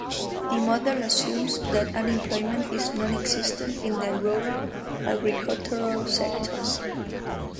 The model assumes that unemployment is non-existent in the rural agricultural sector.